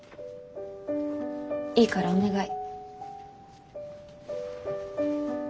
いいからお願い。